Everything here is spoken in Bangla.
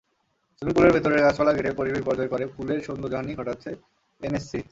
সুইমিং পুলের ভেতরের গাছপালা কেটে পরিবেশ বিপর্যয় করে, পুলের সৌন্দর্যহানি ঘটাচ্ছে এনএসসি।